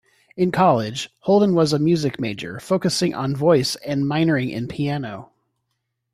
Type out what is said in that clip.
In college, Holden was a music major, focusing on voice and minoring in piano.